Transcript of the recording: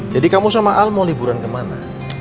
jadi kamu sama al mau liburan kemana